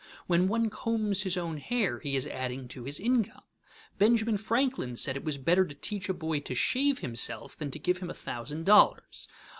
When one combs his own hair he is adding to his income. Benjamin Franklin said it was better to teach a boy to shave himself than to give him a thousand dollars.